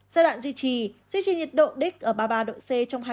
giai đoạn duy trì duy trì nhiệt độ đích ở ba mươi ba độ c trong hai mươi bốn độ